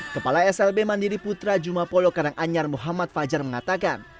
kepala slb mandiri putra jumapolo karanganyar muhammad fajar mengatakan